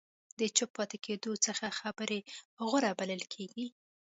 د چوپ پاتې کېدلو څخه خبرې غوره بلل کېږي.